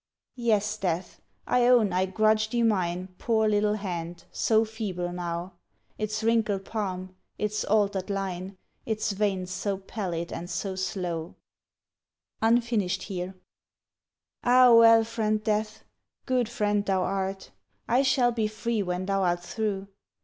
Yes, Death, I own I grudge thee mine Poor little hand, so feeble now; Its wrinkled palm, its altered line, Its veins so pallid and so slow (Unfinished here) Ah, well, friend Death, good friend thou art: I shall be free when thou art through.